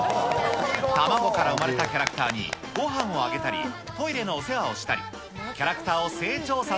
たまごから生まれたキャラクターに、ごはんをあげたりトイレのお世話をしたり、キャラクターを成長さ